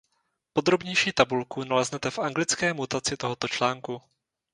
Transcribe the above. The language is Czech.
Podrobnější tabulku naleznete v anglické mutaci tohoto článku.